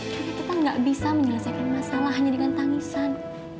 tapi kita nggak bisa menyelesaikan masalah hanya dengan tangisan